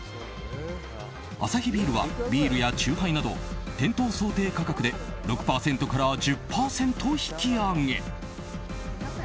アサヒビールはビールや酎ハイなど店頭想定価格で６％から１０％引き上げ。